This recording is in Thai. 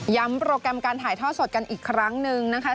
โปรแกรมการถ่ายทอดสดกันอีกครั้งหนึ่งนะคะ